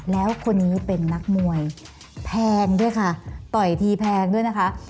แล้วคนนี้เป็นนักมวยแพงด้วยค่ะต่อยทีแพงด้วยนะคะ